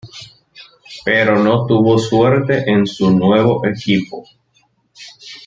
Pero no tuvo suerte en su nuevo equipo.